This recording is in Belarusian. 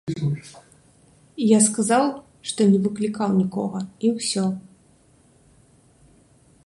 Я сказаў, што не выклікаў нікога і ўсё.